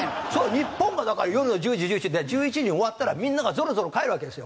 日本がだから夜の１０時１１時１１時に終わったらみんながぞろぞろ帰るわけですよ。